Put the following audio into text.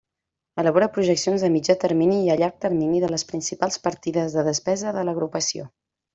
Elabora projeccions a mitjà termini i a llarg termini de les principals partides de despesa de l'agrupació.